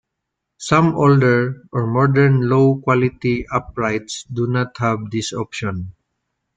Some older, or modern low-quality uprights do not have this option.